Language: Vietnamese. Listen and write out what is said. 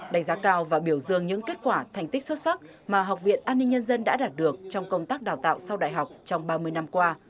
đánh giá cao và biểu dương những kết quả thành tích xuất sắc mà học viện an ninh nhân dân đã đạt được trong công tác đào tạo sau đại học trong ba mươi năm qua